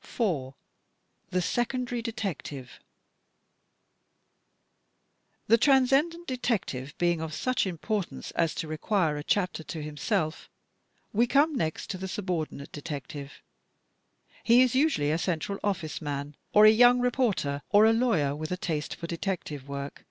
4, The Secondary Detective The Transcendent Detective being of such importance as to require a chapter to himself, we come next to the sub PERSONS IN THE STORY 239 ordinate detective. He is usually a Central OflSce Man, or a young reporter, or a lawyer with a taste for detective work.